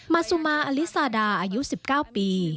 ซูมาอลิซาดาอายุ๑๙ปี